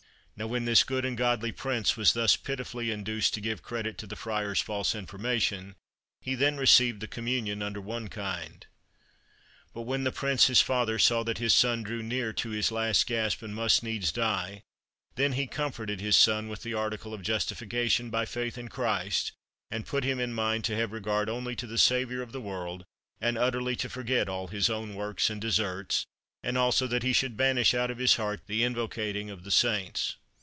Now, when this good and godly Prince was thus pitifully induced to give credit to the Friar's false information, he then received the communion under one kind. But when the Prince, his father, saw that his son drew near to his last gasp, and must needs die, then he comforted his son with the article of justification by faith in Christ, and put him in mind to have regard only to the Saviour of the world, and utterly to forget all his own works and deserts, and also that he should banish out of his heart the invocating of the saints.